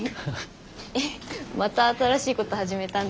えっまた新しいこと始めたんですか？